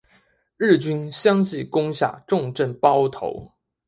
日军相继攻下重镇包头。